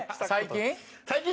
最近？